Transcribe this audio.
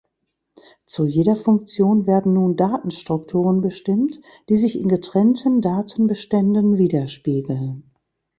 Zu jeder Funktion werden nun Datenstrukturen bestimmt, die sich in getrennten Datenbeständen widerspiegeln.